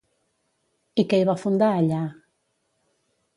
I què hi va fundar allà?